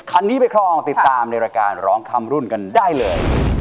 คันนี้ไปครองติดตามในรายการร้องข้ามรุ่นกันได้เลย